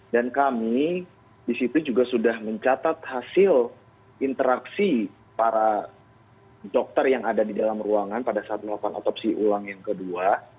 dan kami disitu juga sudah mencatat hasil interaksi para dokter yang ada di dalam ruangan pada saat melakukan otopsi ulang yang kedua